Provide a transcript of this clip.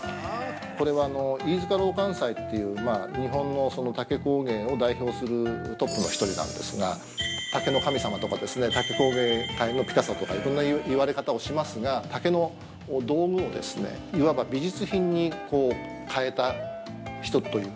これは飯塚琅かん斎という日本の竹工芸を代表するトップの１人なんですが竹の神様とか竹工芸界のピカソとかいろんな言われ方をしますが竹の道具をいわば美術品に変えた人という。